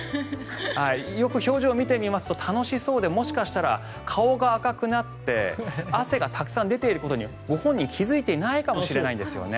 よく表情を見てみますと楽しそうでもしかしたら顔が赤くなって汗がたくさん出ていることにご本人気付いていないかもしれないんですね。